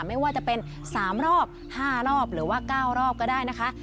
ไม่ว่าจะเป็น๓รอบ๕รอบหรือว่า๙รอบก็ได้นะคะ